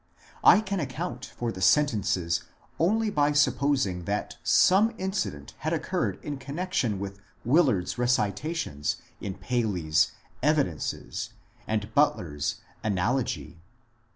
I can account for the sentences only by supposing that some incident had occurred in connection with Willard's recitations in Paley's "Evidences" and Butler's "Analogy."